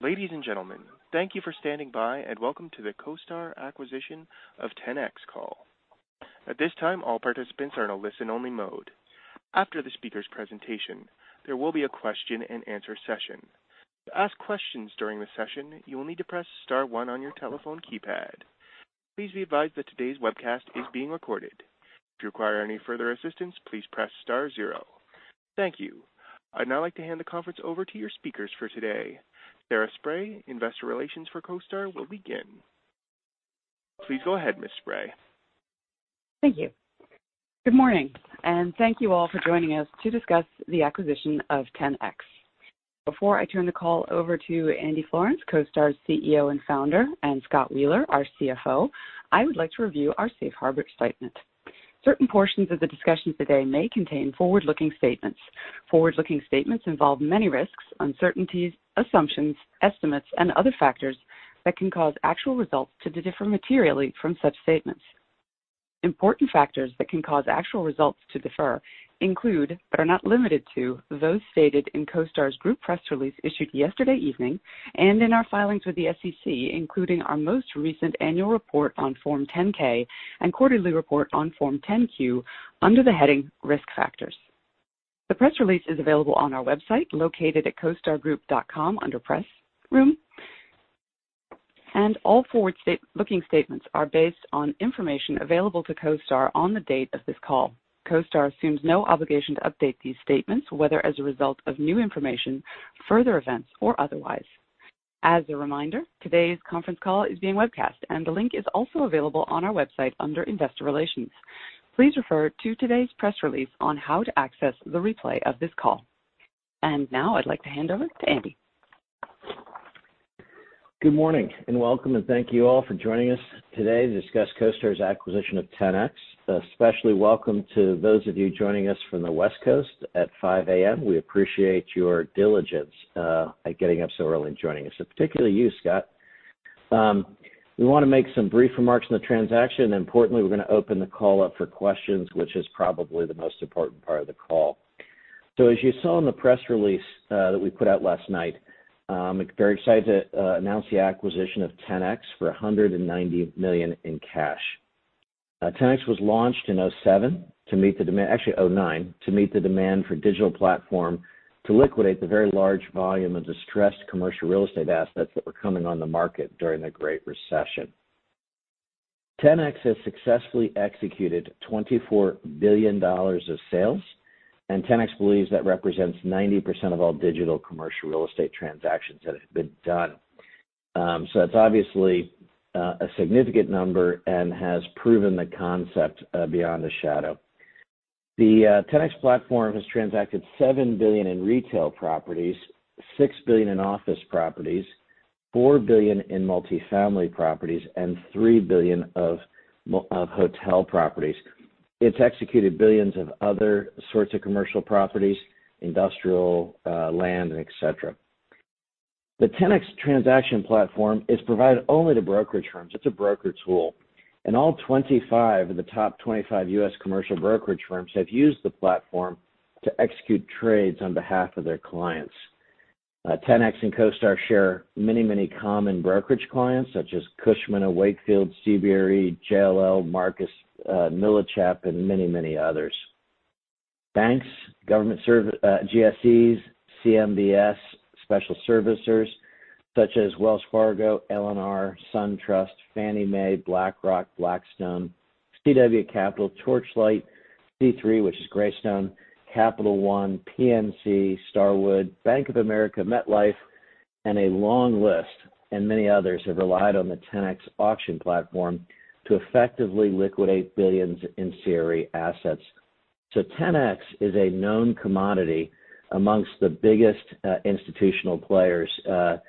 Ladies and gentlemen, thank you for standing by, and welcome to the CoStar Group acquisition of Ten-X call. At this time, all participants are in a listen-only mode. After the speakers' presentation, there will be a question and answer session. To ask questions during the session, you will need to press star one on your telephone keypad. Please be advised that today's webcast is being recorded. If you require any further assistance, please press star zero. Thank you. I'd now like to hand the conference over to your speakers for today. Rich Simonelli, Investor Relations for CoStar Group, will begin. Please go ahead, Mr. Simonelli. Thank you. Good morning, thank you all for joining us to discuss the acquisition of Ten-X. Before I turn the call over to Andy Florance, CoStar's CEO and founder, and Scott Wheeler, our CFO, I would like to review our safe harbor statement. Certain portions of the discussion today may contain forward-looking statements. Forward-looking statements involve many risks, uncertainties, assumptions, estimates, and other factors that can cause actual results to differ materially from such statements. Important factors that can cause actual results to differ include, but are not limited to, those stated in CoStar Group press release issued yesterday evening and in our filings with the SEC, including our most recent annual report on Form 10-K and quarterly report on Form 10-Q under the heading Risk Factors. The press release is available on our website, located at costargroup.com, under Press Room. All forward-looking statements are based on information available to CoStar on the date of this call. CoStar assumes no obligation to update these statements, whether as a result of new information, further events, or otherwise. As a reminder, today's conference call is being webcast, and the link is also available on our website under Investor Relations. Please refer to today's press release on how to access the replay of this call. Now I'd like to hand over to Andy. Good morning, welcome, and thank you all for joining us today to discuss CoStar's acquisition of Ten-X. Especially welcome to those of you joining us from the West Coast at 5:00 A.M. We appreciate your diligence at getting up so early and joining us. Particularly you, Scott. We want to make some brief remarks on the transaction. Importantly, we're going to open the call up for questions, which is probably the most important part of the call. As you saw in the press release that we put out last night, I'm very excited to announce the acquisition of Ten-X for $190 million in cash. Ten-X was launched in 2009 to meet the demand for a digital platform to liquidate the very large volume of distressed commercial real estate assets that were coming on the market during the Great Recession. Ten-X has successfully executed $24 billion of sales, and Ten-X believes that represents 90% of all digital commercial real estate transactions that have been done. That's obviously a significant number and has proven the concept beyond a shadow. The Ten-X platform has transacted $7 billion in retail properties, $6 billion in office properties, $4 billion in multifamily properties, and $3 billion of hotel properties. It's executed billions of other sorts of commercial properties, industrial, land, and et cetera. The Ten-X transaction platform is provided only to brokerage firms. It's a broker tool. All 25 of the top 25 U.S. commercial brokerage firms have used the platform to execute trades on behalf of their clients. Ten-X and CoStar share many common brokerage clients, such as Cushman & Wakefield, CBRE, JLL, Marcus & Millichap, and many others. Banks, GSEs, CMBS, special servicers such as Wells Fargo, LNR, SunTrust, Fannie Mae, BlackRock, Blackstone, CWCapital, Torchlight, C-III, which is Greystone, Capital One, PNC, Starwood, Bank of America, MetLife, and a long list, and many others have relied on the Ten-X auction platform to effectively liquidate billions in CRE assets. Ten-X is a known commodity amongst the biggest institutional players in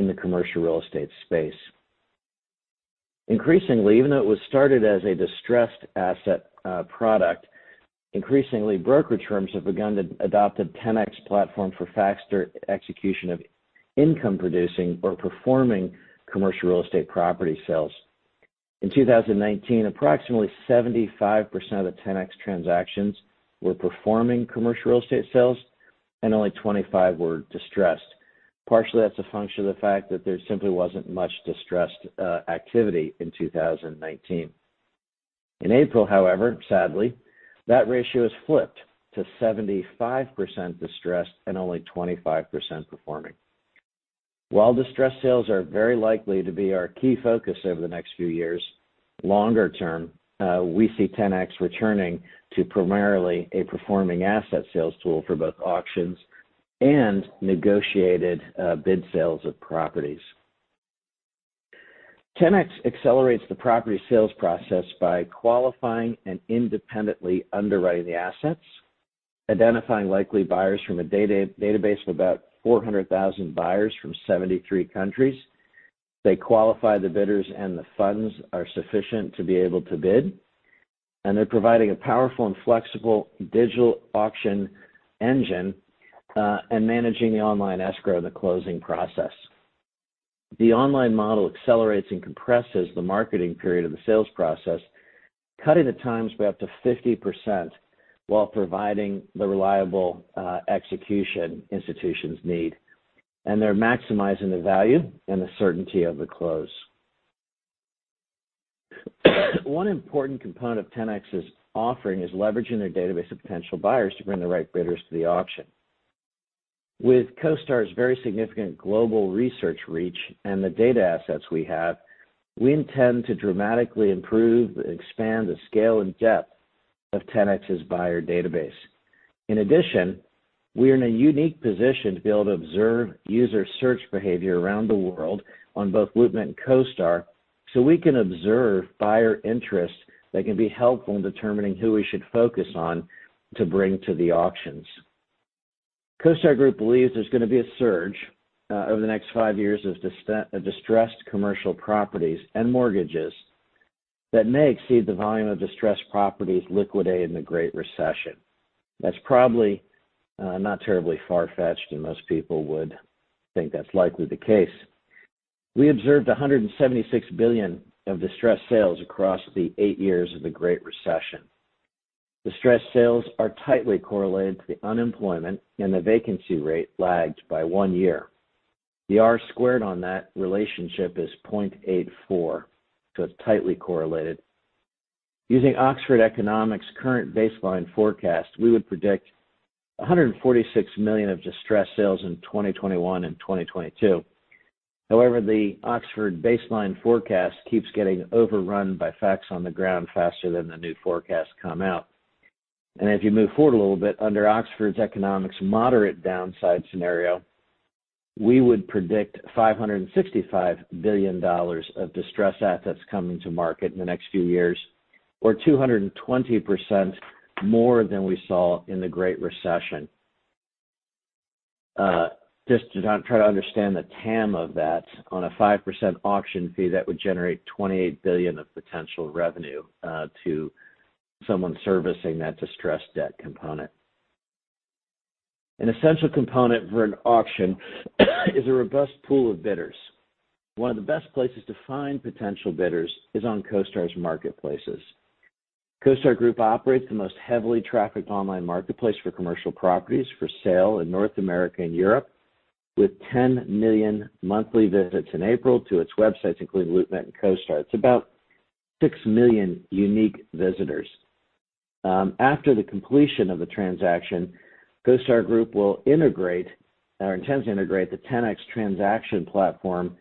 the commercial real estate space. Even though it was started as a distressed asset product, increasingly, brokerage firms have begun to adopt the Ten-X platform for faster execution of income-producing or performing commercial real estate property sales. In 2019, approximately 75% of the Ten-X transactions were performing commercial real estate sales, and only 25% were distressed. Partially, that's a function of the fact that there simply wasn't much distressed activity in 2019. In April, however, sadly, that ratio has flipped to 75% distressed and only 25% performing. While distressed sales are very likely to be our key focus over the next few years, longer term, we see Ten-X returning to primarily a performing asset sales tool for both auctions and negotiated bid sales of properties. Ten-X accelerates the property sales process by qualifying and independently underwriting the assets, identifying likely buyers from a database of about 400,000 buyers from 73 countries. They qualify the bidders, the funds are sufficient to be able to bid. They're providing a powerful and flexible digital auction engine and managing the online escrow and the closing process. The online model accelerates and compresses the marketing period of the sales process, cutting the times by up to 50%, while providing the reliable execution institutions need. They're maximizing the value and the certainty of the close. One important component of Ten-X's offering is leveraging their database of potential buyers to bring the right bidders to the auction. With CoStar's very significant global research reach and the data assets we have, we intend to dramatically improve and expand the scale and depth of Ten-X's buyer database. In addition, we're in a unique position to be able to observe user search behavior around the world on both LoopNet and CoStar, so we can observe buyer interest that can be helpful in determining who we should focus on to bring to the auctions. CoStar Group believes there's going to be a surge over the next five years of distressed commercial properties and mortgages that may exceed the volume of distressed properties liquidated in the Great Recession. That's probably not terribly far-fetched, and most people would think that's likely the case. We observed $176 billion of distressed sales across the eight years of the Great Recession. Distressed sales are tightly correlated to the unemployment and the vacancy rate lagged by one year. The R-squared on that relationship is 0.84. It's tightly correlated. Using Oxford Economics' current baseline forecast, we would predict $146 billion of distressed sales in 2021 and 2022. However, the Oxford baseline forecast keeps getting overrun by facts on the ground faster than the new forecasts come out. If you move forward a little bit, under Oxford Economics' moderate downside scenario, we would predict $565 billion of distressed assets coming to market in the next few years, or 220% more than we saw in the Great Recession. Just to try to understand the TAM of that, on a 5% auction fee, that would generate $28 billion of potential revenue to someone servicing that distressed debt component. An essential component for an auction is a robust pool of bidders. One of the best places to find potential bidders is on CoStar's marketplaces. CoStar Group operates the most heavily trafficked online marketplace for commercial properties for sale in North America and Europe, with 10 million monthly visits in April to its websites, including LoopNet and CoStar. It's about six million unique visitors. After the completion of the transaction, CoStar Group intends to integrate the Ten-X transaction platform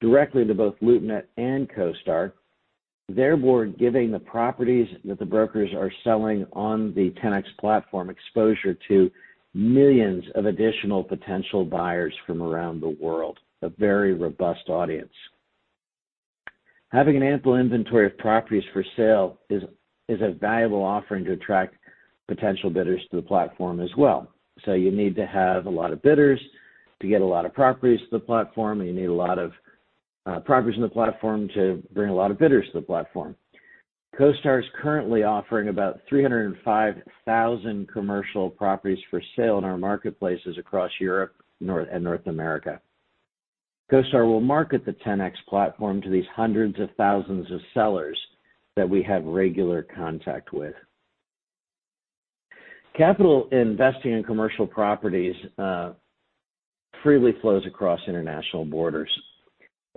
directly to both LoopNet and CoStar, therefore giving the properties that the brokers are selling on the Ten-X platform exposure to millions of additional potential buyers from around the world. A very robust audience. Having an ample inventory of properties for sale is a valuable offering to attract potential bidders to the platform as well. You need to have a lot of bidders to get a lot of properties to the platform, and you need a lot of properties in the platform to bring a lot of bidders to the platform. CoStar is currently offering about 305,000 commercial properties for sale in our marketplaces across Europe and North America. CoStar will market the Ten-X platform to these hundreds of thousands of sellers that we have regular contact with. Capital investing in commercial properties freely flows across international borders.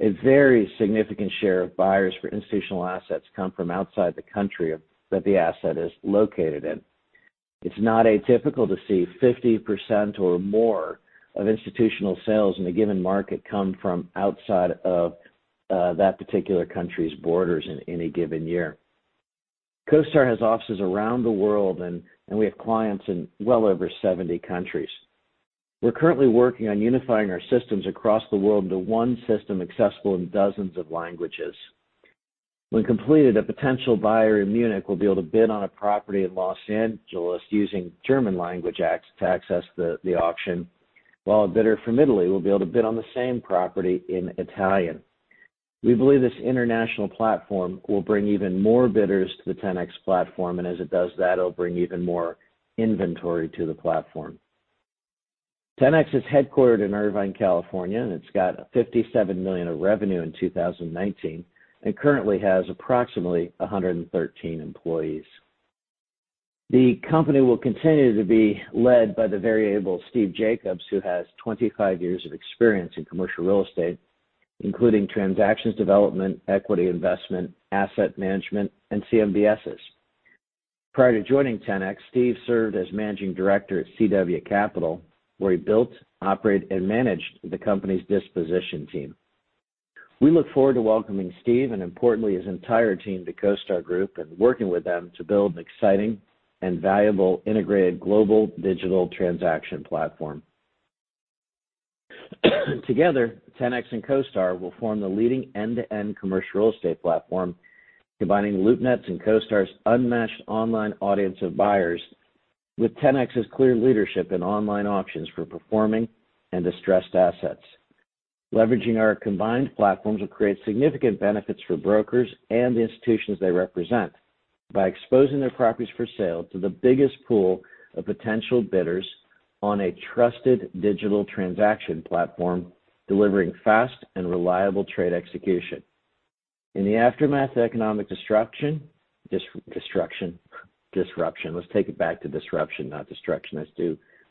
A very significant share of buyers for institutional assets come from outside the country that the asset is located in. It's not atypical to see 50% or more of institutional sales in a given market come from outside of that particular country's borders in any given year. CoStar has offices around the world, and we have clients in well over 70 countries. We're currently working on unifying our systems across the world into one system accessible in dozens of languages. When completed, a potential buyer in Munich will be able to bid on a property in Los Angeles using German language to access the auction, while a bidder from Italy will be able to bid on the same property in Italian. We believe this international platform will bring even more bidders to the Ten-X platform, and as it does that, it'll bring even more inventory to the platform. Ten-X is headquartered in Irvine, California, and it's got $57 million of revenue in 2019, and currently has approximately 113 employees. The company will continue to be led by the very able Steve Jacobs, who has 25 years of experience in commercial real estate, including transactions development, equity investment, asset management, and CMBSs. Prior to joining Ten-X, Steve served as managing director at CWCapital, where he built, operated, and managed the company's disposition team. We look forward to welcoming Steve, and importantly his entire team, to CoStar Group and working with them to build an exciting and valuable integrated global digital transaction platform. Together, Ten-X and CoStar will form the leading end-to-end commercial real estate platform, combining LoopNet's and CoStar's unmatched online audience of buyers with Ten-X's clear leadership in online auctions for performing and distressed assets. Leveraging our combined platforms will create significant benefits for brokers and the institutions they represent. By exposing their properties for sale to the biggest pool of potential bidders on a trusted digital transaction platform, delivering fast and reliable trade execution. In the aftermath of economic destruction disruption. Let's take it back to disruption, not destruction.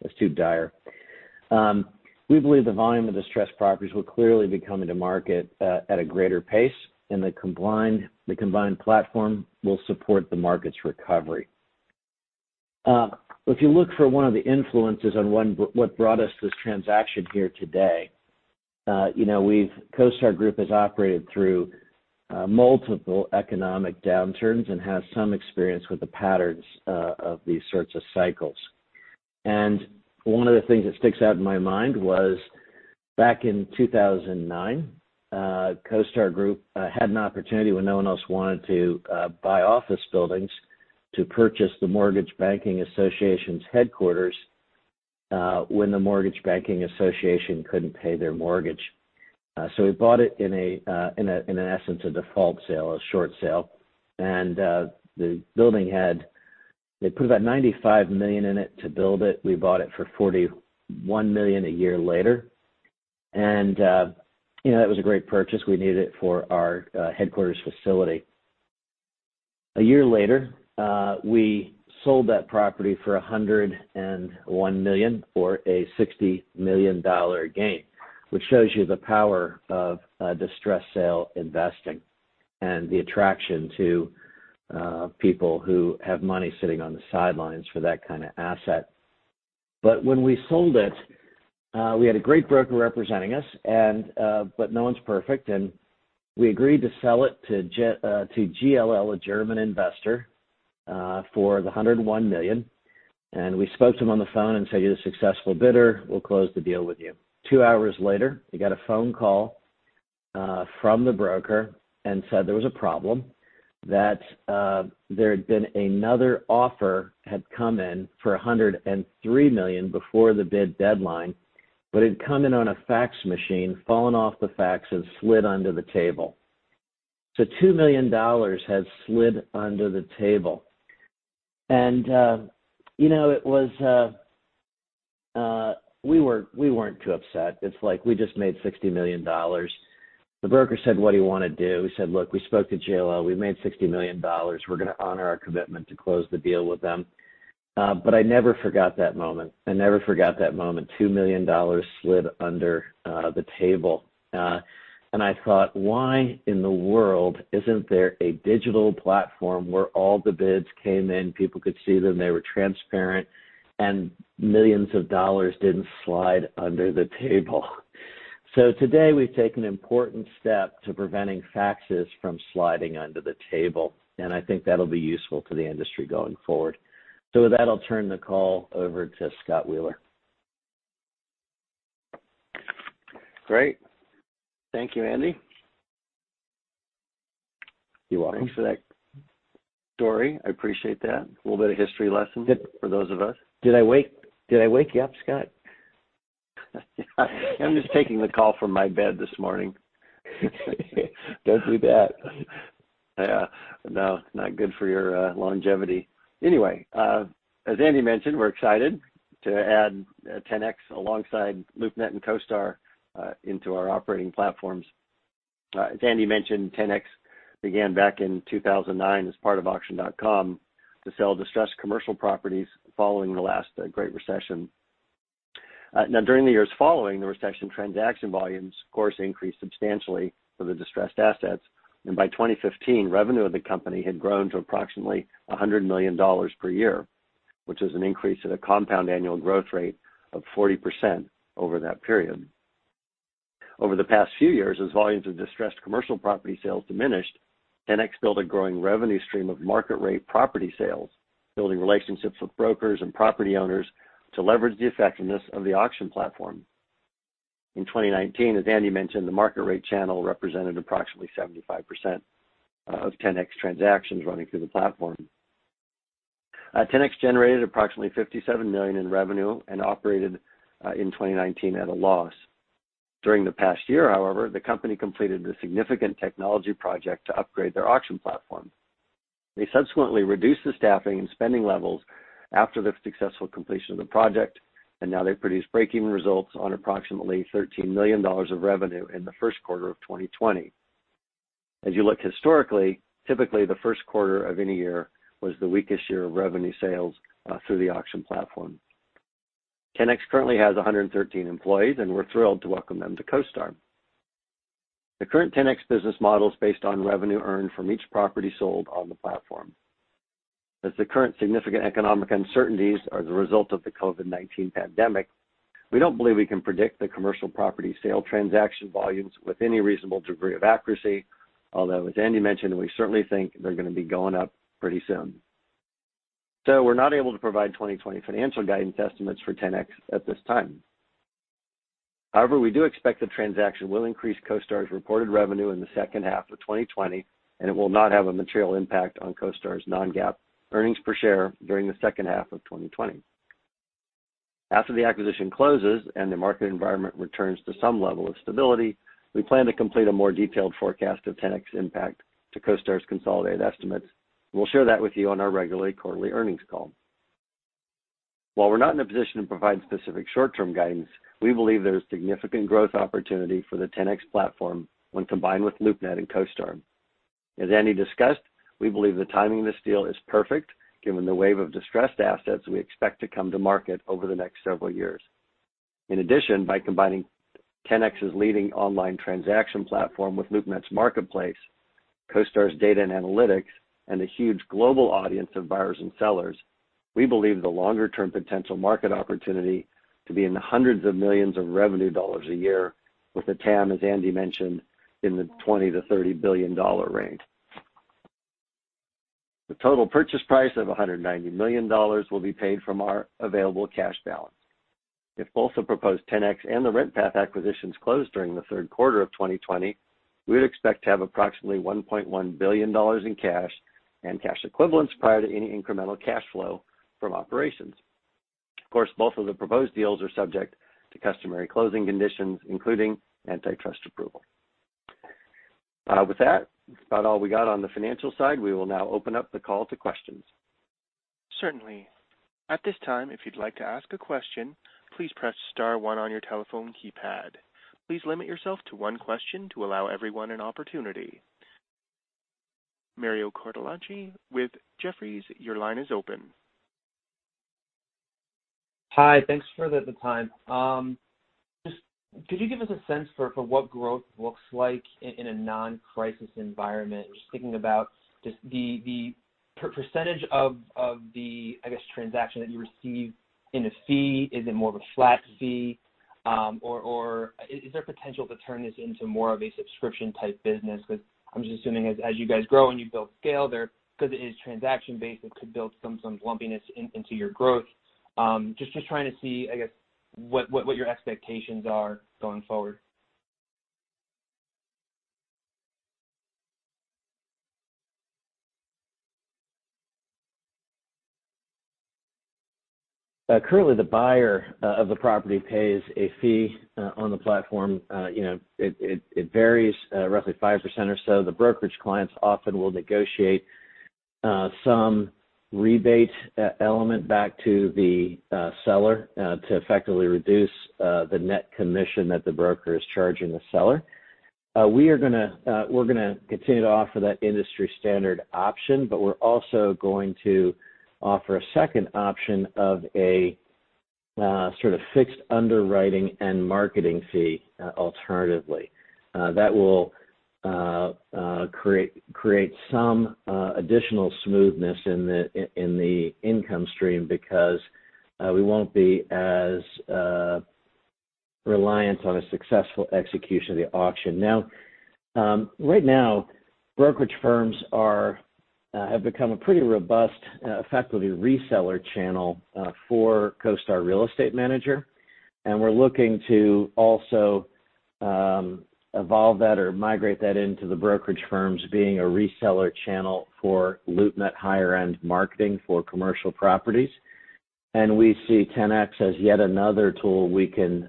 That's too dire. We believe the volume of distressed properties will clearly be coming to market at a greater pace, and the combined platform will support the market's recovery. If you look for one of the influences on what brought us this transaction here today, CoStar Group has operated through multiple economic downturns and has some experience with the patterns of these sorts of cycles. One of the things that sticks out in my mind was back in 2009, CoStar Group had an opportunity when no one else wanted to buy office buildings to purchase the Mortgage Bankers Association's headquarters when the Mortgage Bankers Association couldn't pay their mortgage. We bought it in an essence, a default sale, a short sale. The building, they put about $95 million in it to build it. We bought it for $41 million a year later. That was a great purchase. We needed it for our headquarters facility. A year later, we sold that property for $101 million, or a $60 million gain, which shows you the power of distressed sale investing and the attraction to people who have money sitting on the sidelines for that kind of asset. When we sold it, we had a great broker representing us, but no one's perfect, and we agreed to sell it to GLL, a German investor, for the $101 million. We spoke to them on the phone and said, "You're the successful bidder. We'll close the deal with you." Two hours later, we got a phone call from the broker and said there was a problem, that there had been another offer had come in for $103 million before the bid deadline, but it'd come in on a fax machine, fallen off the fax, and slid under the table. $2 million had slid under the table. We weren't too upset. It's like we just made $60 million. The broker said, "What do you want to do?" We said, "Look, we spoke to GLL. We made $60 million. We're going to honor our commitment to close the deal with them." I never forgot that moment. I never forgot that moment. $2 million slid under the table. I thought, "Why in the world isn't there a digital platform where all the bids came in, people could see them, they were transparent, and millions of dollars didn't slide under the table?" Today, we've taken an important step to preventing faxes from sliding under the table, and I think that'll be useful to the industry going forward. With that, I'll turn the call over to Scott Wheeler. Great. Thank you, Andy. You're welcome. Thanks for that story. I appreciate that. A little bit of history lesson for those of us. Did I wake you up, Scott? I'm just taking the call from my bed this morning. Don't do that. No, not good for your longevity. Anyway, as Andy mentioned, we're excited to add Ten-X alongside LoopNet and CoStar into our operating platforms. As Andy mentioned, Ten-X began back in 2009 as part of Auction.com to sell distressed commercial properties following the last Great Recession. During the years following the recession, transaction volumes, of course, increased substantially for the distressed assets, and by 2015, revenue of the company had grown to approximately $100 million per year, which is an increase at a compound annual growth rate of 40% over that period. Over the past few years, as volumes of distressed commercial property sales diminished, Ten-X built a growing revenue stream of market rate property sales, building relationships with brokers and property owners to leverage the effectiveness of the auction platform. In 2019, as Andy mentioned, the market rate channel represented approximately 75% of Ten-X transactions running through the platform. Ten-X generated approximately $57 million in revenue and operated in 2019 at a loss. During the past year, however, the company completed a significant technology project to upgrade their auction platform. They subsequently reduced the staffing and spending levels after the successful completion of the project, and now they produce break-even results on approximately $13 million of revenue in the first quarter of 2020. As you look historically, typically the first quarter of any year was the weakest year of revenue sales through the auction platform. Ten-X currently has 113 employees, and we're thrilled to welcome them to CoStar. The current Ten-X business model is based on revenue earned from each property sold on the platform. As the current significant economic uncertainties are the result of the COVID-19 pandemic, we don't believe we can predict the commercial property sale transaction volumes with any reasonable degree of accuracy, although, as Andy mentioned, we certainly think they're going to be going up pretty soon. We're not able to provide 2020 financial guidance estimates for Ten-X at this time. However, we do expect the transaction will increase CoStar's reported revenue in the second half of 2020, and it will not have a material impact on CoStar's non-GAAP earnings per share during the second half of 2020. After the acquisition closes and the market environment returns to some level of stability, we plan to complete a more detailed forecast of Ten-X impact to CoStar's consolidated estimates. We'll share that with you on our regularly quarterly earnings call. While we're not in a position to provide specific short-term guidance, we believe there is significant growth opportunity for the Ten-X platform when combined with LoopNet and CoStar. As Andy discussed, we believe the timing of this deal is perfect given the wave of distressed assets we expect to come to market over the next several years. In addition, by combining Ten-X's leading online transaction platform with LoopNet's marketplace, CoStar's data and analytics, and a huge global audience of buyers and sellers, we believe the longer-term potential market opportunity to be in the $ hundreds of millions of revenue a year with a TAM, as Andy mentioned, in the $20 billion-$30 billion range. The total purchase price of $190 million will be paid from our available cash balance. If both the proposed Ten-X and the RentPath acquisitions closed during the third quarter of 2020, we would expect to have approximately $1.1 billion in cash and cash equivalents prior to any incremental cash flow from operations. Of course, both of the proposed deals are subject to customary closing conditions, including antitrust approval. With that's about all we got on the financial side. We will now open up the call to questions. Certainly. At this time, if you'd like to ask a question, please press star one on your telephone keypad. Please limit yourself to one question to allow everyone an opportunity. Mario Cortellacci with Jefferies, your line is open. Hi. Thanks for the time. Just could you give us a sense for what growth looks like in a non-crisis environment? Just thinking about just the percentage of the, I guess, transaction that you receive in a fee. Is it more of a flat fee? Is there potential to turn this into more of a subscription type business? I'm just assuming as you guys grow and you build scale there, because it is transaction-based, it could build some lumpiness into your growth. Just trying to see, I guess, what your expectations are going forward. Currently, the buyer of the property pays a fee on the platform. It varies roughly 5% or so. The brokerage clients often will negotiate some rebate element back to the seller to effectively reduce the net commission that the broker is charging the seller. We're going to continue to offer that industry-standard option, but we're also going to offer a second option of a sort of fixed underwriting and marketing fee alternatively. That will create some additional smoothness in the income stream because we won't be as reliant on a successful execution of the auction. Now, right now, brokerage firms have become a pretty robust, effectively reseller channel for CoStar Real Estate Manager, and we're looking to also evolve that or migrate that into the brokerage firms being a reseller channel for LoopNet higher-end marketing for commercial properties. We see Ten-X as yet another tool we can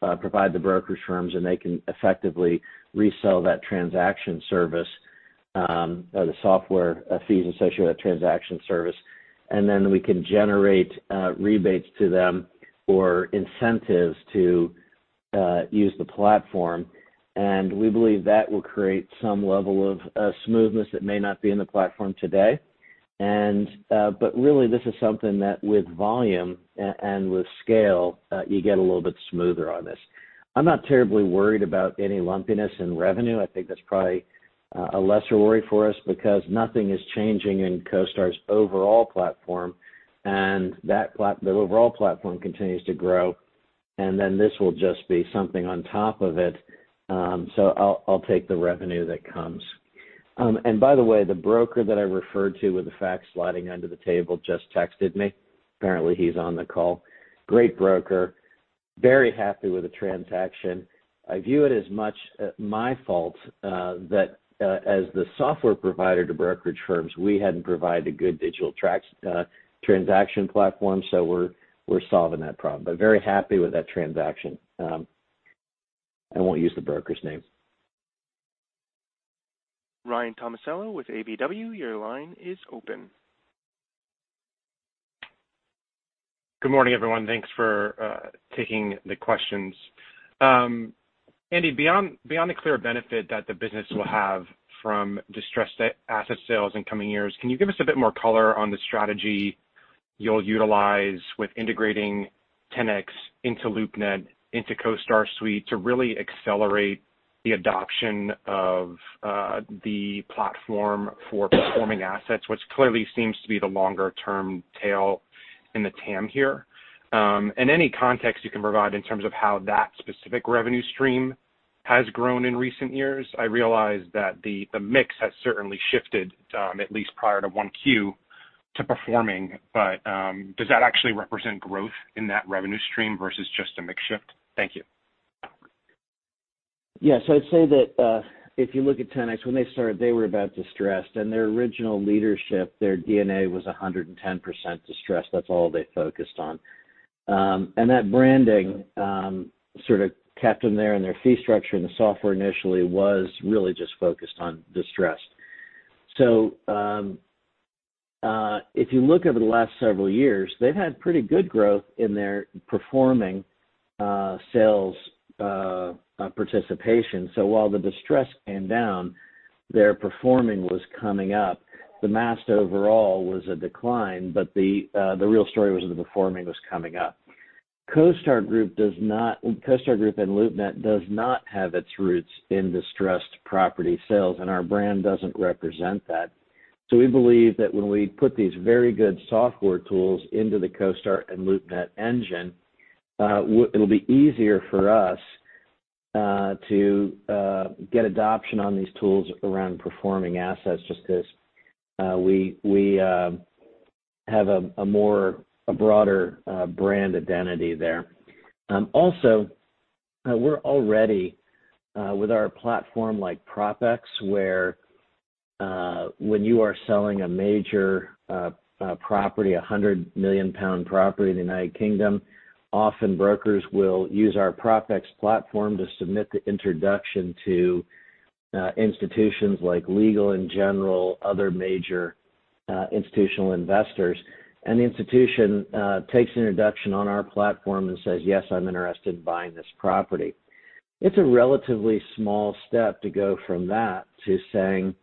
provide the brokerage firms, and they can effectively resell that transaction service, the software fees associated with transaction service, and then we can generate rebates to them or incentives to use the platform. We believe that will create some level of smoothness that may not be in the platform today. Really, this is something that with volume and with scale, you get a little bit smoother on this. I'm not terribly worried about any lumpiness in revenue. I think that's probably a lesser worry for us because nothing is changing in CoStar's overall platform, and the overall platform continues to grow, and then this will just be something on top of it. I'll take the revenue that comes. By the way, the broker that I referred to with the fax sliding under the table just texted me. Apparently, he's on the call. Great broker. Very happy with the transaction. I view it as much my fault that as the software provider to brokerage firms, we hadn't provided a good digital transaction platform. We're solving that problem. Very happy with that transaction. I won't use the broker's name. Ryan Tomasello with KBW, your line is open. Good morning, everyone. Thanks for taking the questions. Andy, beyond the clear benefit that the business will have from distressed asset sales in coming years, can you give us a bit more color on the strategy you'll utilize with integrating Ten-X into LoopNet, into CoStar Suite to really accelerate the adoption of the platform for performing assets, which clearly seems to be the longer-term tail in the TAM here? Any context you can provide in terms of how that specific revenue stream has grown in recent years? I realize that the mix has certainly shifted, at least prior to one Q, to performing, but does that actually represent growth in that revenue stream versus just a mix shift? Thank you. Yes. I'd say that if you look at Ten-X, when they started, they were about distressed, and their original leadership, their DNA, was 110% distressed. That's all they focused on. That branding sort of kept them there, and their fee structure, and the software initially was really just focused on distressed. If you look over the last several years, they've had pretty good growth in their performing sales participation. While the distressed came down, their performing was coming up. The mass overall was a decline, but the real story was that the performing was coming up. CoStar Group and LoopNet does not have its roots in distressed property sales, and our brand doesn't represent that. We believe that when we put these very good software tools into the CoStar and LoopNet engine, it'll be easier for us to get adoption on these tools around performing assets, just because we have a broader brand identity there. Also, we're already with our platform like Ten-X, where when you are selling a major property, a 100 million pound property in the U.K., often brokers will use our Ten-X platform to submit the introduction to institutions like Legal & General, other major institutional investors. An institution takes an introduction on our platform and says, "Yes, I'm interested in buying this property." It's a relatively small step to go from that to saying,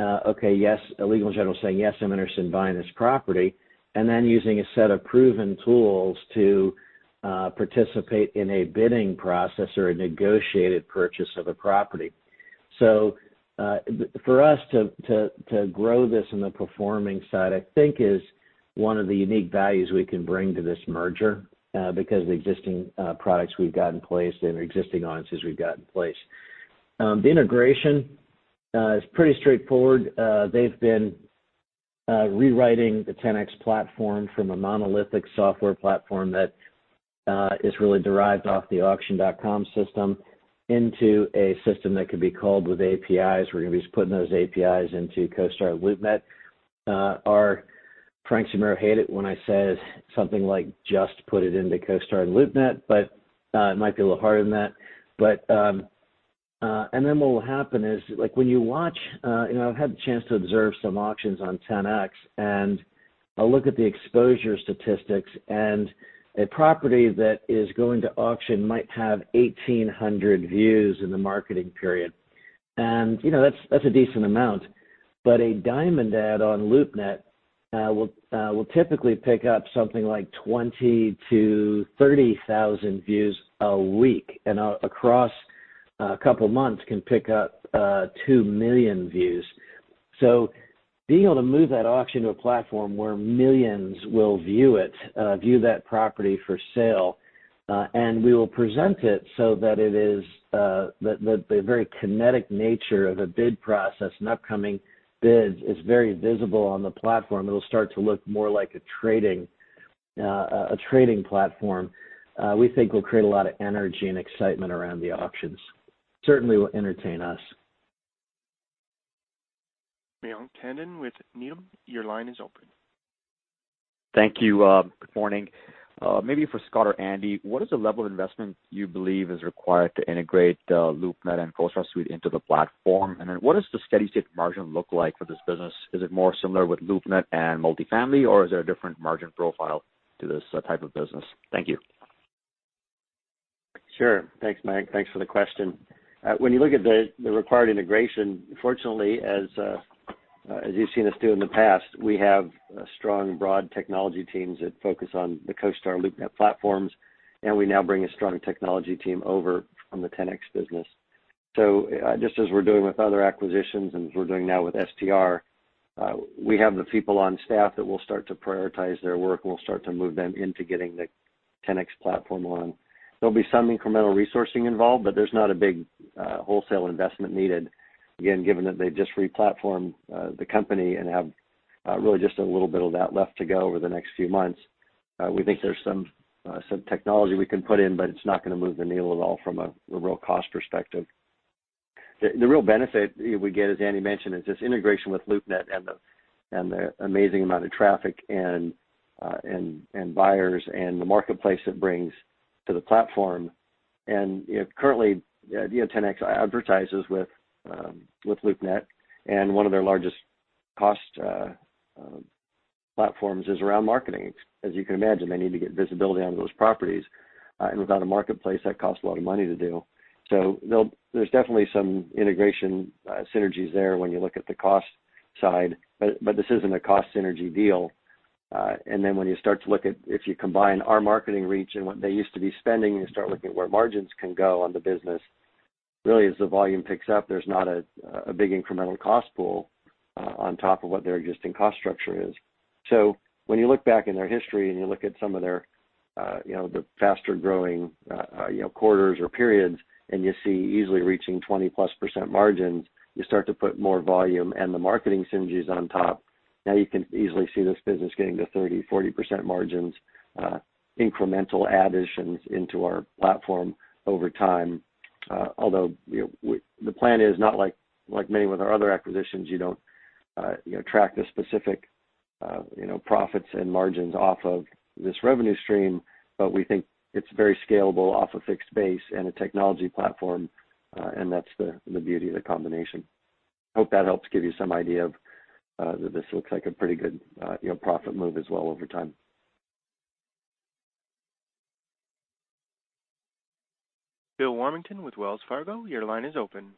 okay, yes. A Legal & General saying, "Yes, I'm interested in buying this property," and then using a set of proven tools to participate in a bidding process or a negotiated purchase of a property. For us to grow this in the performing side, I think is one of the unique values we can bring to this merger because the existing products we've got in place and existing audiences we've got in place. The integration is pretty straightforward. They've been rewriting the Ten-X platform from a monolithic software platform that is really derived off the Auction.com system into a system that could be called with APIs. We're going to be putting those APIs into CoStar and LoopNet. Frank Simuro hate it when I say something like just put it into CoStar and LoopNet, but it might be a little harder than that. What will happen is when you watch I've had the chance to observe some auctions on Ten-X, and I'll look at the exposure statistics, and a property that is going to auction might have 1,800 views in the marketing period. That's a decent amount. A diamond ad on LoopNet will typically pick up something like 20,000 to 30,000 views a week, and across a couple of months can pick up 2 million views. Being able to move that auction to a platform where millions will view that property for sale, and we will present it so that the very kinetic nature of a bid process and upcoming bids is very visible on the platform. It'll start to look more like a trading platform, we think will create a lot of energy and excitement around the auctions. Certainly will entertain us. Mayank Tandon with Needham, your line is open. Thank you. Good morning. Maybe for Scott or Andy, what is the level of investment you believe is required to integrate LoopNet and CoStar Suite into the platform? What does the steady state margin look like for this business? Is it more similar with LoopNet and multifamily, or is there a different margin profile to this type of business? Thank you. Sure. Thanks, Mayank. Thanks for the question. When you look at the required integration, fortunately, as you've seen us do in the past, we have strong broad technology teams that focus on the CoStar, LoopNet platforms, and we now bring a strong technology team over from the Ten-X business. Just as we're doing with other acquisitions and as we're doing now with STR, we have the people on staff that will start to prioritize their work, and we'll start to move them into getting the Ten-X platform on. There'll be some incremental resourcing involved, but there's not a big wholesale investment needed, again, given that they've just re-platformed the company and have really just a little bit of that left to go over the next few months. We think there's some technology we can put in, but it's not going to move the needle at all from a real cost perspective. The real benefit we get, as Andy mentioned, is just integration with LoopNet and the amazing amount of traffic and buyers and the marketplace it brings to the platform. Currently, Ten-X advertises with LoopNet, and one of their largest cost platforms is around marketing. As you can imagine, they need to get visibility on those properties. Without a marketplace, that costs a lot of money to do. There's definitely some integration synergies there when you look at the cost side, but this isn't a cost synergy deal. When you start to look at if you combine our marketing reach and what they used to be spending, and you start looking at where margins can go on the business, really, as the volume picks up, there's not a big incremental cost pool on top of what their existing cost structure is. When you look back in their history, and you look at some of the faster-growing quarters or periods, and you see easily reaching 20%+ margins, you start to put more volume and the marketing synergies on top. Now you can easily see this business getting to 30%-40% margins, incremental additions into our platform over time. The plan is not like many of our other acquisitions, you don't track the specific profits and margins off of this revenue stream. We think it's very scalable off a fixed base and a technology platform, and that's the beauty of the combination. Hope that helps give you some idea of that this looks like a pretty good profit move as well over time. Bill Warmington with Wells Fargo, your line is open.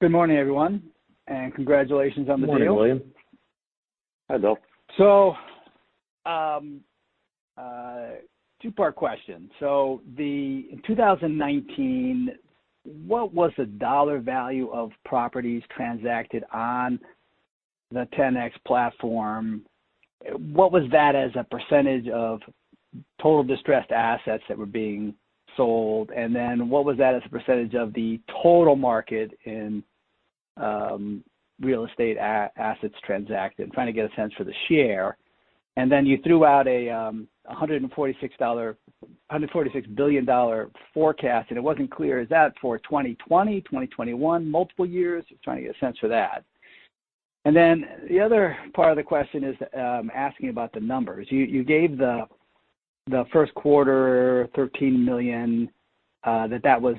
Good morning, everyone, and congratulations on the deal. Good morning, William. Hi, Bill. Two-part question. In 2019, what was the dollar value of properties transacted on the Ten-X platform? What was that as a percentage of total distressed assets that were being sold? What was that as a percentage of the total market in real estate assets transacted? I'm trying to get a sense for the share. You threw out a $146 billion forecast, and it wasn't clear, is that for 2020, 2021, multiple years? Just trying to get a sense for that. The other part of the question is asking about the numbers. You gave the first quarter, $13 million, that was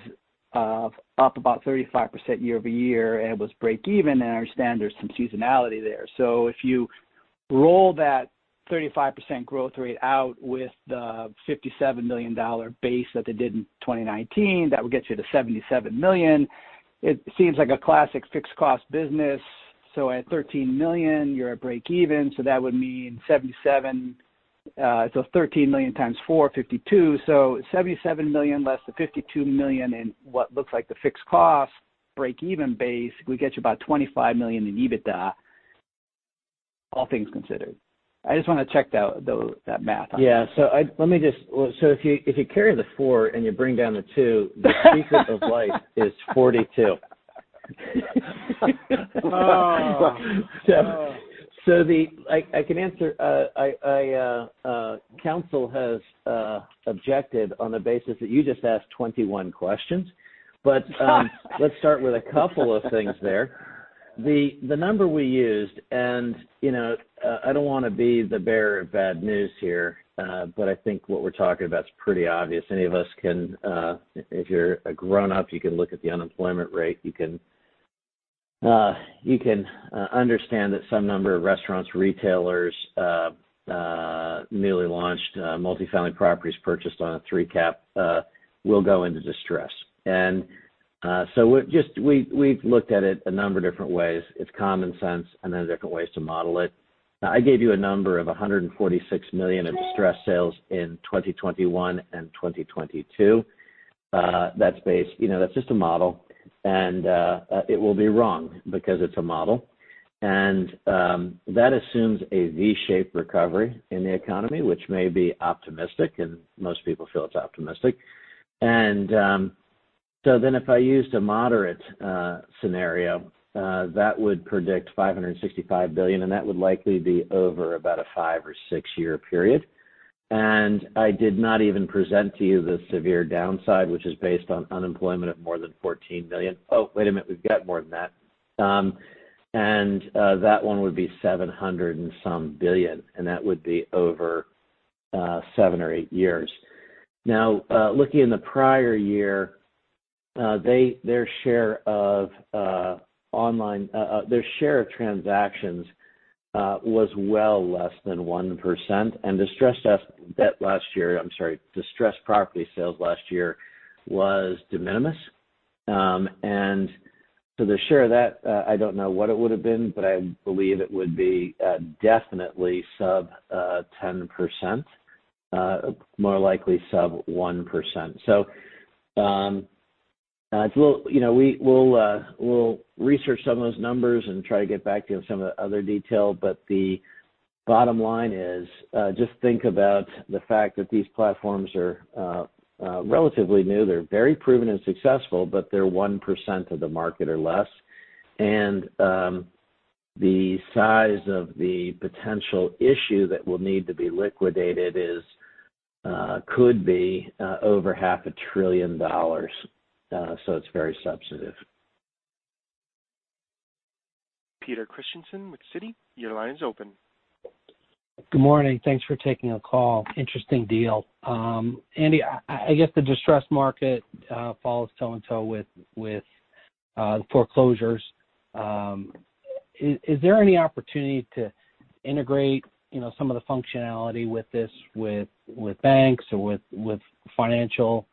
up about 35% year-over-year, and it was break even. I understand there's some seasonality there. If you roll that 35% growth rate out with the $57 million base that they did in 2019, that would get you to $77 million. It seems like a classic fixed cost business. At $13 million, you're at break even, that would mean $77. $13 million times four, $52. $77 million less the $52 million in what looks like the fixed cost break even base, we get you about $25 million in EBITDA, all things considered. I just want to check that math. Yeah. If you carry the four and you bring down the two, the secret of life is 42. Oh. I can answer. Counsel has objected on the basis that you just asked 21 questions. Let's start with a couple of things there. The number we used, and I don't want to be the bearer of bad news here, but I think what we're talking about is pretty obvious. Any of us can, if you're a grown-up, you can look at the unemployment rate. You can understand that some number of restaurants, retailers, newly launched multifamily properties purchased on a 3 cap will go into distress. We've looked at it a number of different ways. It's common sense, and there are different ways to model it. I gave you a number of $146 million in distressed sales in 2021 and 2022. That's just a model, and it will be wrong because it's a model. That assumes a V-shaped recovery in the economy, which may be optimistic, and most people feel it's optimistic. If I used a moderate scenario, that would predict $565 billion, and that would likely be over about a five or six-year period. I did not even present to you the severe downside, which is based on unemployment of more than $14 million. Wait a minute, we've got more than that. That one would be $700 and some billion, and that would be over seven or eight years. Looking in the prior year, their share of transactions was well less than 1%. Distressed debt last year, I'm sorry, distressed property sales last year was de minimis. The share of that, I don't know what it would've been, but I believe it would be definitely sub 10%, more likely sub 1%. We'll research some of those numbers and try to get back to you on some of the other detail. The bottom line is, just think about the fact that these platforms are relatively new. They're very proven and successful, but they're 1% of the market or less. The size of the potential issue that will need to be liquidated could be over half a trillion dollars. It's very substantive. Peter Christiansen with Citi, your line is open. Good morning. Thanks for taking the call. Interesting deal. Andy, I guess the distressed market follows toe-to-toe with foreclosures. Is there any opportunity to integrate some of the functionality with this, with banks or with financial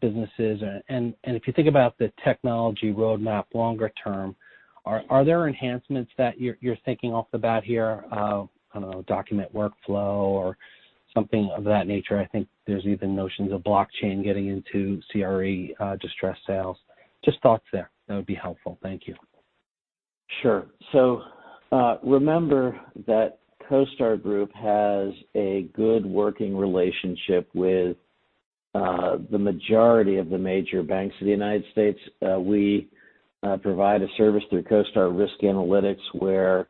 businesses? If you think about the technology roadmap longer term, are there enhancements that you're thinking off the bat here? I don't know, document workflow or something of that nature. I think there's even notions of blockchain getting into CRE distressed sales. Just thoughts there. That would be helpful. Thank you. Sure. Remember that CoStar Group has a good working relationship with the majority of the major banks of the U.S., we provide a service through CoStar Risk Analytics, where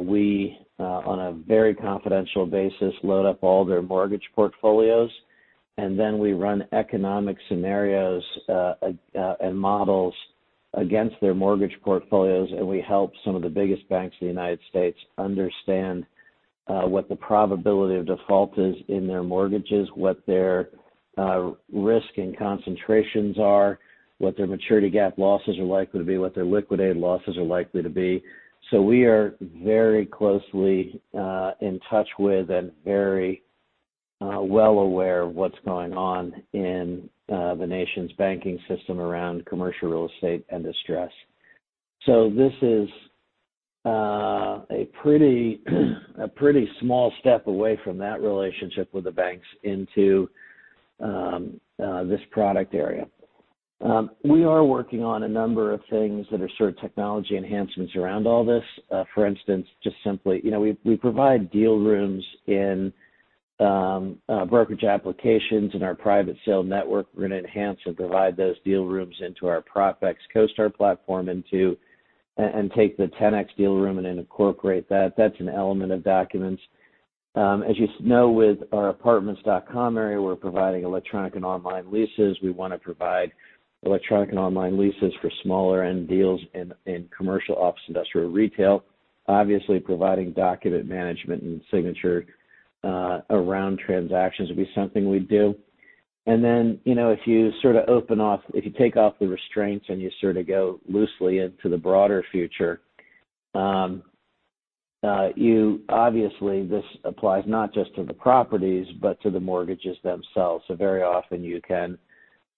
we, on a very confidential basis, load up all their mortgage portfolios, and then we run economic scenarios and models against their mortgage portfolios, and we help some of the biggest banks in the U.S. understand what the probability of default is in their mortgages, what their risk and concentrations are, what their maturity gap losses are likely to be, what their liquidated losses are likely to be. We are very closely in touch with and very well aware of what's going on in the nation's banking system around commercial real estate and distress. This is a pretty small step away from that relationship with the banks into this product area. We are working on a number of things that are sort of technology enhancements around all this. For instance, just simply, we provide deal rooms in brokerage applications in our private sale network. We're going to enhance and provide those deal rooms into our Ten-X CoStar platform and take the Ten-X deal room and then incorporate that. That's an element of documents. As you know, with our Apartments.com area, we're providing electronic and online leases. We want to provide electronic and online leases for smaller end deals in commercial office, industrial, retail. Obviously, providing document management and signature around transactions would be something we'd do. If you take off the restraints and you sort of go loosely into the broader future, obviously this applies not just to the properties, but to the mortgages themselves. Very often you can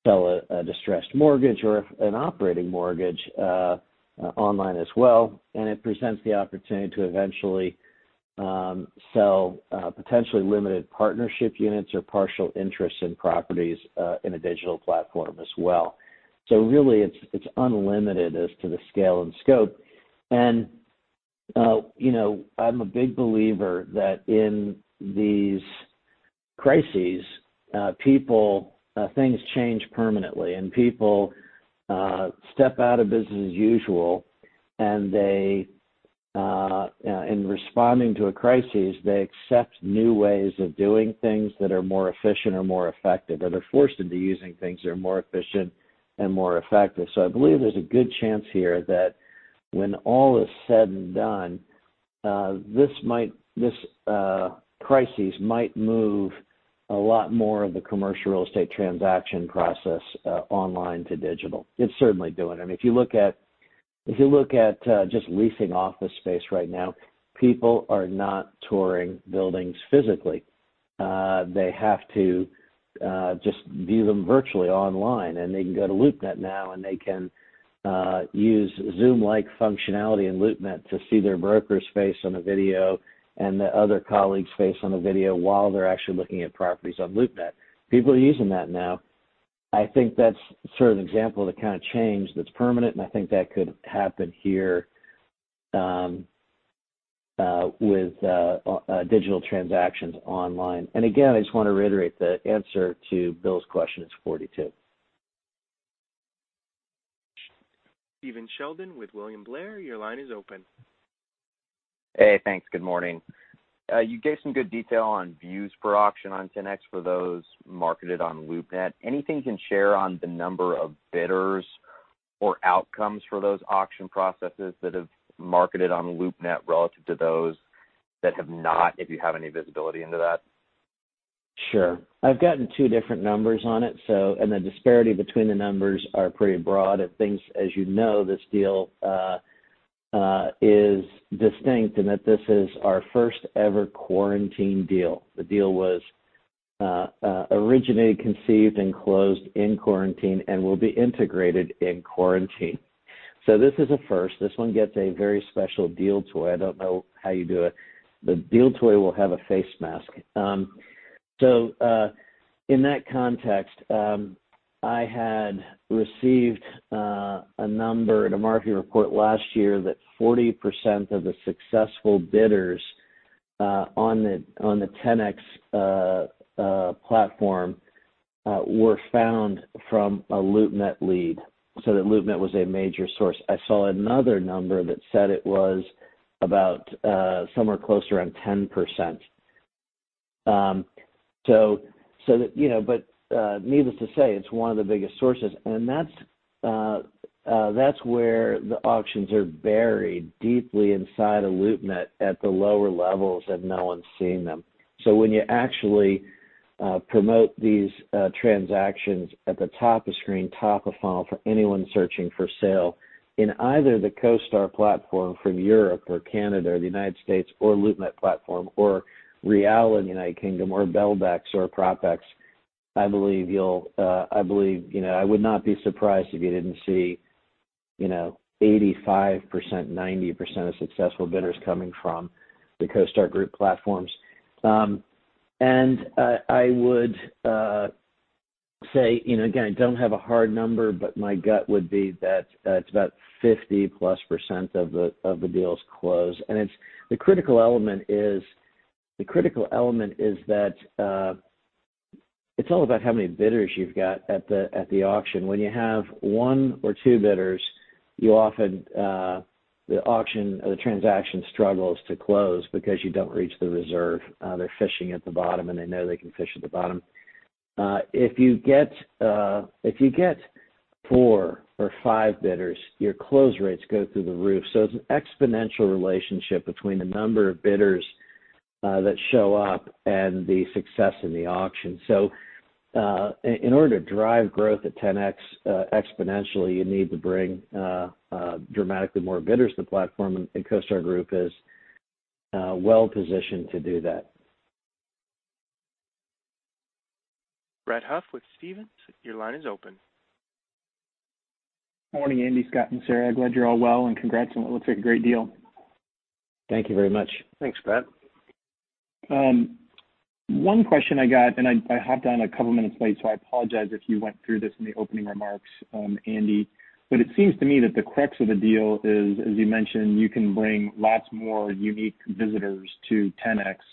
sell a distressed mortgage or an operating mortgage online as well, and it presents the opportunity to eventually sell potentially limited partnership units or partial interest in properties in a digital platform as well. Really it's unlimited as to the scale and scope. I'm a big believer that in these crises, things change permanently and people step out of business as usual, and in responding to a crisis, they accept new ways of doing things that are more efficient or more effective, or they're forced into using things that are more efficient and more effective. I believe there's a good chance here that when all is said and done, this crisis might move a lot more of the commercial real estate transaction process online to digital. It's certainly doing it. I mean, if you look at just leasing office space right now, people are not touring buildings physically. They have to just view them virtually online, and they can go to LoopNet now and they can use Zoom-like functionality in LoopNet to see their broker's face on a video and the other colleague's face on a video while they're actually looking at properties on LoopNet. People are using that now. I think that's sort of an example of the kind of change that's permanent, and I think that could happen here with digital transactions online. Again, I just want to reiterate, the answer to Bill's question, it's 42. Stephen Sheldon with William Blair, your line is open. Hey, thanks. Good morning. You gave some good detail on views per auction on Ten-X for those marketed on LoopNet. Anything you can share on the number of bidders or outcomes for those auction processes that have marketed on LoopNet relative to those that have not, if you have any visibility into that? Sure. I've gotten two different numbers on it. The disparity between the numbers are pretty broad. As you know, this deal is distinct in that this is our first ever quarantine deal. The deal was originated, conceived, and closed in quarantine, and will be integrated in quarantine. This is a first. This one gets a very special deal toy. I don't know how you do it. The deal toy will have a face mask. In that context, I had received a number in a market report last year that 40% of the successful bidders on the Ten-X platform were found from a LoopNet lead. That LoopNet was a major source. I saw another number that said it was about somewhere close to around 10%. Needless to say, it's one of the biggest sources. That's where the auctions are buried deeply inside of LoopNet at the lower levels, and no one's seeing them. When you actually promote these transactions at the top of screen, top of funnel for anyone searching for sale in either the CoStar platform from Europe or Canada or the U.S., or LoopNet platform or Realla in the U.K. or Belbex or Ten-X, I would not be surprised if you didn't see 85%, 90% of successful bidders coming from the CoStar Group platforms. I would say, again, I don't have a hard number, but my gut would be that it's about 50%-plus of the deals close. The critical element is that it's all about how many bidders you've got at the auction. When you have one or two bidders, the auction or the transaction struggles to close because you don't reach the reserve. They're fishing at the bottom, and they know they can fish at the bottom. If you get four or five bidders, your close rates go through the roof. It's an exponential relationship between the number of bidders that show up and the success in the auction. In order to drive growth at Ten-X exponentially, you need to bring dramatically more bidders to the platform, and CoStar Group is well-positioned to do that. Brett Huff with Stephens, your line is open. Morning, Andy, Scott, and Rich. Glad you're all well, and congrats on what looks like a great deal. Thank you very much. Thanks, Brett. One question I got, and I hopped on a couple minutes late, so I apologize if you went through this in the opening remarks, Andy. It seems to me that the crux of the deal is, as you mentioned, you can bring lots more unique visitors to Ten-X.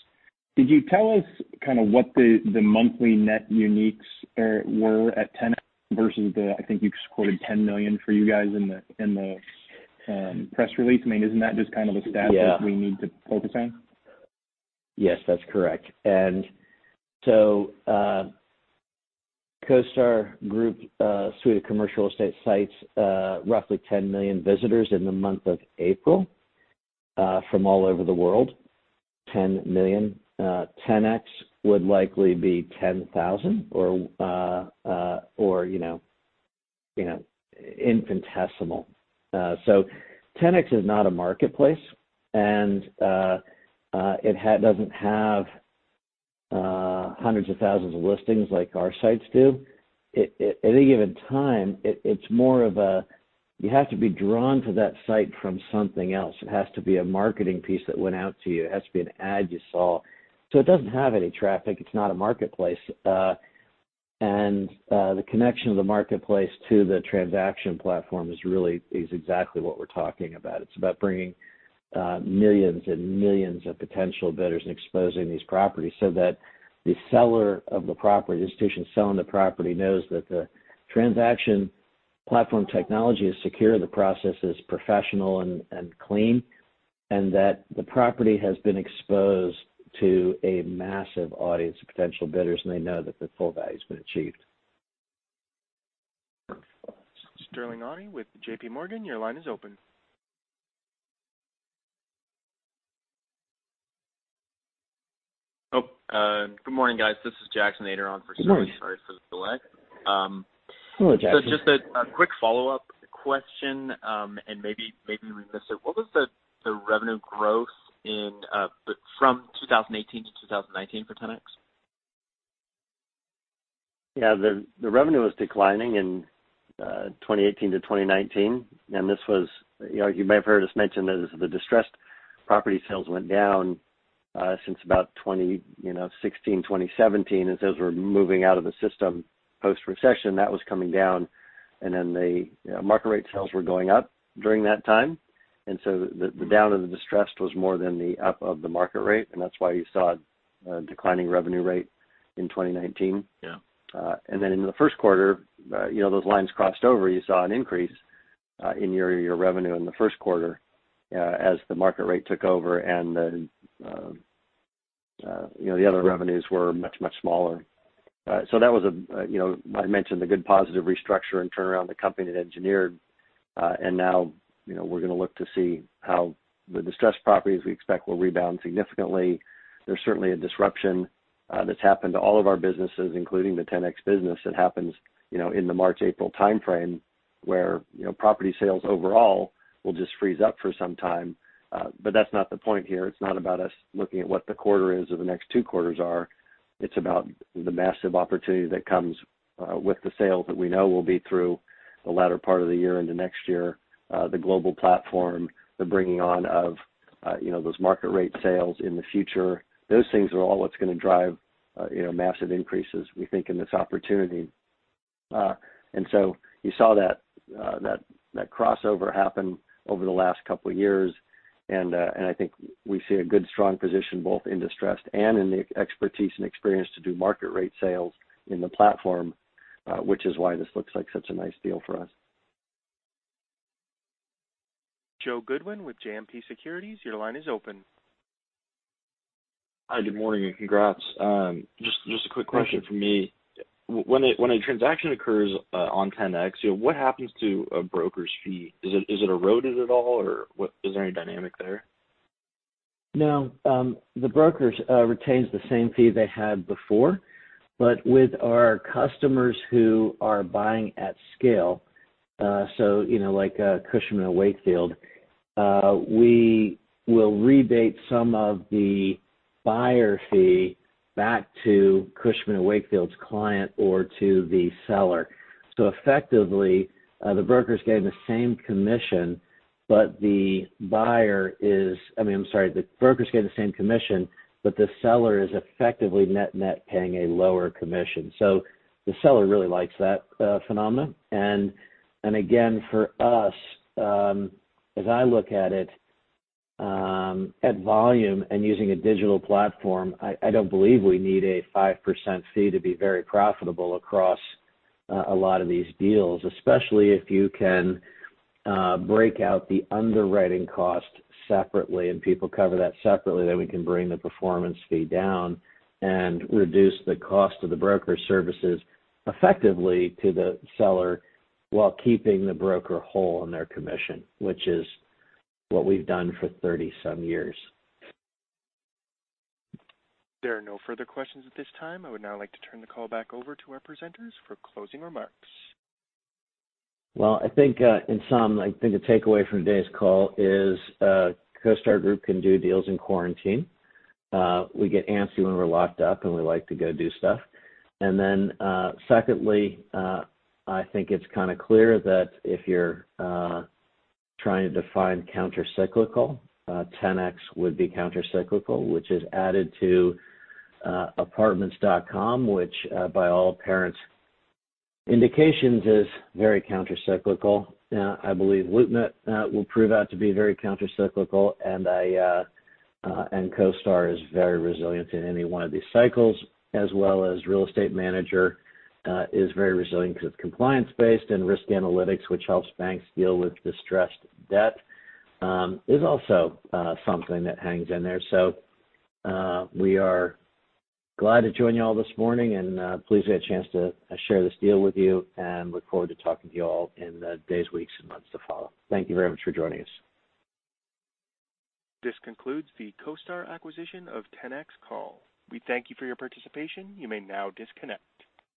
Did you tell us kind of what the monthly net uniques were at Ten-X versus the I think you quoted $10 million for you guys in the press release? I mean, isn't that just kind of the stat? Yeah we need to focus on? Yes, that's correct. CoStar Group's suite of commercial estate sites, roughly 10 million visitors in the month of April from all over the world. 10 million. Ten-X would likely be 10,000 or infinitesimal. Ten-X is not a marketplace, and it doesn't have hundreds of thousands of listings like our sites do. At any given time, you have to be drawn to that site from something else. It has to be a marketing piece that went out to you. It has to be an ad you saw. It doesn't have any traffic. It's not a marketplace. The connection of the marketplace to the transaction platform is exactly what we're talking about. It's about bringing millions and millions of potential bidders and exposing these properties so that the seller of the property, the institution selling the property, knows that the transaction platform technology is secure, the process is professional and clean, and that the property has been exposed to a massive audience of potential bidders, and they know that the full value's been achieved. Sterling Auty with JPMorgan, your line is open. Good morning, guys. This is Jackson Ader for Sterling. Morning. Sorry for the delay. Hello, Jackson. Just a quick follow-up question, and maybe we missed it. What was the revenue growth from 2018 to 2019 for Ten-X? The revenue was declining in 2018 to 2019, and you may have heard us mention that the distressed property sales went down since about 2016, 2017. As we're moving out of the system post-recession, that was coming down. The market rate sales were going up during that time. The down of the distressed was more than the up of the market rate, and that's why you saw a declining revenue rate in 2019. Yeah. Then in the first quarter, those lines crossed over. You saw an increase in year-over-year revenue in the first quarter as the market rate took over. The other revenues were much, much smaller. I mentioned the good positive restructure and turnaround the company had engineered. Now, we're going to look to see how the distressed properties, we expect, will rebound significantly. There's certainly a disruption that's happened to all of our businesses, including the Ten-X business, that happens in the March/April timeframe, where property sales overall will just freeze up for some time. That's not the point here. It's not about us looking at what the quarter is or the next two quarters are. It's about the massive opportunity that comes with the sales that we know will be through the latter part of the year into next year. The global platform, the bringing on of those market rate sales in the future. Those things are all what's going to drive massive increases, we think, in this opportunity. You saw that crossover happen over the last couple of years, and I think we see a good, strong position both in distressed and in the expertise and experience to do market rate sales in the platform, which is why this looks like such a nice deal for us. Joe Goodwin with JMP Securities, your line is open. Hi, good morning, and congrats. Just a quick question from me. When a transaction occurs on Ten-X, what happens to a broker's fee? Is it eroded at all, or is there any dynamic there? No. The brokers retains the same fee they had before. With our customers who are buying at scale, so like Cushman & Wakefield, we will rebate some of the buyer fee back to Cushman & Wakefield's client or to the seller. Effectively, the brokers get the same commission, but the seller is effectively net paying a lower commission. The seller really likes that phenomenon. Again, for us, as I look at it, at volume and using a digital platform, I don't believe we need a 5% fee to be very profitable across a lot of these deals, especially if you can break out the underwriting cost separately and people cover that separately, then we can bring the performance fee down and reduce the cost of the broker services effectively to the seller while keeping the broker whole on their commission, which is what we've done for 30-some years. There are no further questions at this time. I would now like to turn the call back over to our presenters for closing remarks. Well, I think in sum, I think the takeaway from today's call is CoStar Group can do deals in quarantine. We get antsy when we're locked up, and we like to go do stuff. Secondly, I think it's kind of clear that if you're trying to define countercyclical, Ten-X would be countercyclical, which is added to Apartments.com, which by all apparent indications is very countercyclical. I believe LoopNet will prove out to be very countercyclical, and CoStar is very resilient in any one of these cycles, as well as CoStar Real Estate Manager is very resilient because it's compliance-based and risk analytics, which helps banks deal with distressed debt, is also something that hangs in there. We are glad to join you all this morning and pleased to get a chance to share this deal with you and look forward to talking to you all in the days, weeks, and months to follow. Thank you very much for joining us. This concludes the CoStar acquisition of Ten-X call. We thank you for your participation. You may now disconnect.